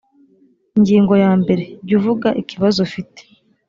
ingingo ya mbere jya uvuga ikibazo ufite